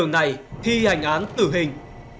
ngày thi hành án tử hình